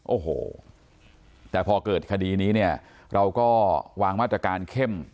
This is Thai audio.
โอ้โหแต่พอเกิดคดีนี้เนี่ยเราก็วางมาตรการเข้ม